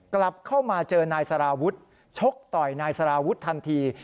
กลับเข้ามาเจอนายสารวุฒิชกต่อยนายสารวุฒิทันที